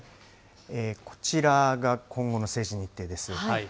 こちらが今後の政治日程です。